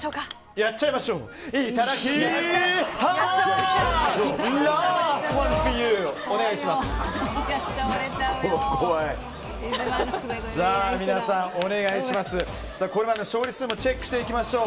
やっちゃいましょう。